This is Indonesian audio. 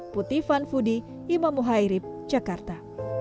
puti fanfudi imam muhairib jakarta